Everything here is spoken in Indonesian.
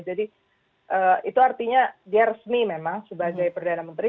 jadi itu artinya dia resmi memang sebagai perdana menteri